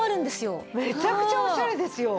めちゃくちゃオシャレですよ。